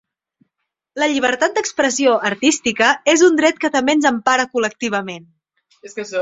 La llibertat d’expressió artística és un dret que també ens empara col·lectivament.